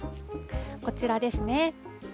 こちらですね。